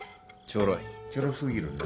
ちょろすぎるな。